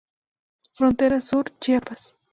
Frontera sur, Chiapas".